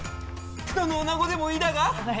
どのおなごでもいいだが！